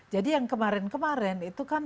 jadi yang kemarin kemarin itu kan